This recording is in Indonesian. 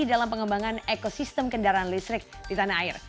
dalam pengembangan ekosistem kendaraan listrik di tanah air